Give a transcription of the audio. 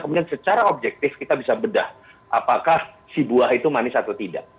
kemudian secara objektif kita bisa bedah apakah si buah itu manis atau tidak